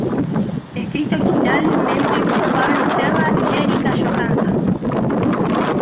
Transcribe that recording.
Escrita originalmente por Pablo Serra y Erika Johanson.